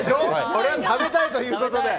これ、食べたいということで。